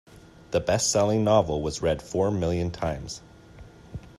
The bestselling novel was read four million times.